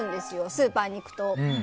スーパーに行くと。